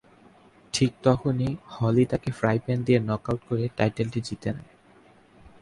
ঠিক তখনি হলি তাকে ফ্রাই প্যান দিয়ে নকআউট করে টাইটেলটি জিতে নেয়।